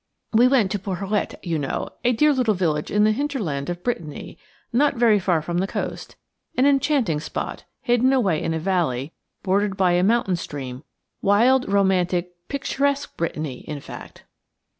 We went to Porhoët, you know–a dear little village in the hinterland of Brittany, not very far from the coast; an enchanting spot, hidden away in a valley, bordered by a mountain stream, wild, romantic, picturesque–Brittany, in fact.